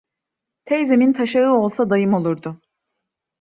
Teyzemin taşağı olsa dayım olurdu.